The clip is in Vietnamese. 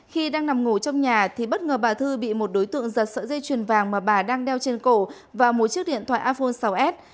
khi đang nằm ngủ trong nhà thì bất ngờ bà thư bị một đối tượng giật sợi dây chuyền vàng mà bà đang đeo trên cổ và một chiếc điện thoại iphone sáu s